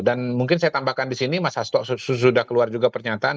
dan mungkin saya tambahkan di sini mas hasto sudah keluar juga pernyataan